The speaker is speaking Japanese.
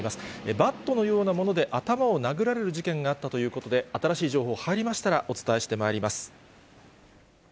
バットのようなもので頭を殴られる事件があったということで、新しい情報入りましたら、お伝えしてまいります。